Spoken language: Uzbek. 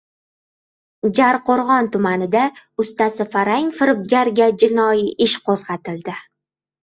Jarqo‘rg‘on tumanida ustasi farang firibgarga jinoiy ish qo‘zg‘atildi